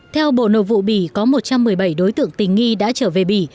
theo bộ nội vụ bỉ có một trăm một mươi bảy đối tượng tình nghi đã trở về bỉ